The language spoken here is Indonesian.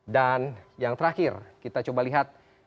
dan yang terakhir kita coba lihat